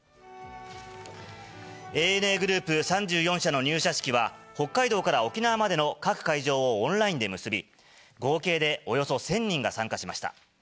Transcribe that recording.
ＡＮＡグループ３４社の入社式は、北海道から沖縄までの各会場をオンラインで結び、合計でおよそ１０００人が参加しました。